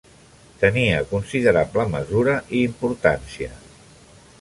Tenia considerable mesura i importància.